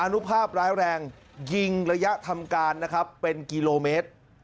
นุภาพร้ายแรงยิงระยะทำการนะครับเป็นกิโลเมตร